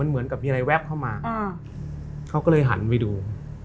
เหมือนกับมีอะไรแวบเข้ามาเขาก็เลยหันไปดู